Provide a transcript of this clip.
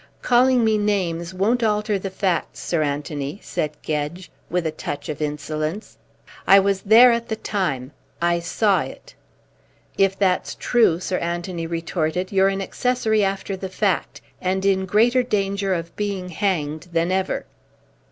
"Calling me names won't alter the facts, Sir Anthony," said Gedge, with a touch of insolence. "I was there at the time. I saw it." "If that's true," Sir Anthony retorted, "you're an accessory after the fact, and in greater danger of being hanged than ever."